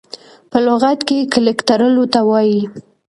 په لغت کي کلک تړلو ته وايي .